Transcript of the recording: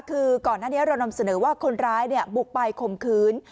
คือก่อนหน้านี้เรานำเสนอว่าคนร้ายบุกไปข่มขืน